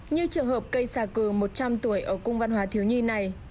như trường hợp cây xà cừ một trăm linh tuổi ở cung văn hóa thiếu nhi này